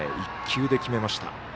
１球で決めました。